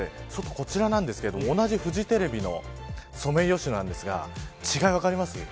こちらなんですけど同じフジテレビのソメイヨシノなんですが違い、分かりますか。